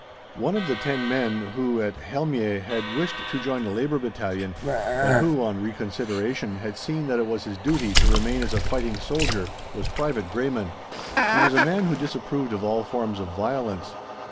One of the ten men who, at Helmieh, had wished to join a Labour battalion, but who, on reconsideration, had seen that it was his duty to remain as a fighting soldier, was Private Greyman. He was a man who disapproved of all forms of violence.